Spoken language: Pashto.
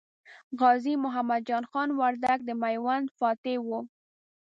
غازي محمد جان خان وردګ د میوند فاتح و.